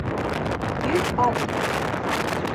Йөҙ ат!